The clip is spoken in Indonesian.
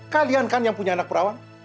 kalian kan yang punya anak perawang